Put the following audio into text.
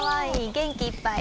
元気いっぱい」